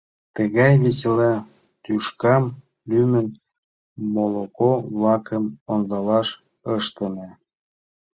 Тыгай весела тӱшкам лӱмын моло-влакым ондалаш ыштыме.